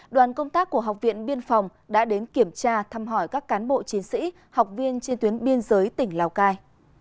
đoàn công tác của học viện biên phòng đã đến kiểm tra thăm hỏi các cán bộ chiến sĩ học viên trên tuyến biên giới tỉnh lào cai